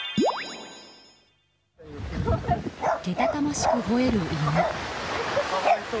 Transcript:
けたたましく吠える犬。